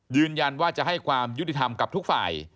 ยืนยันว่าจะให้ความยุติธรรมกับทุกฝ่าย